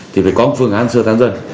thì phải có một phương án sơ tán dân